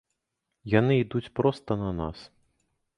Яны ідуць проста на нас.